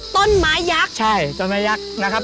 ต้นไม้ยักษ์ใช่ต้นไม้ยักษ์นะครับ